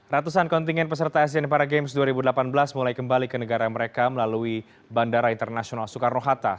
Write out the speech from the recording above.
ratusan kontingen peserta asian para games dua ribu delapan belas mulai kembali ke negara mereka melalui bandara internasional soekarno hatta